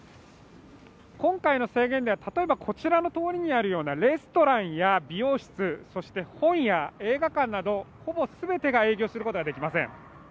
今回の制限では例えばこちらの通りにあるようなレストランや美容室そして本屋映画館などほぼすべてが営業することができません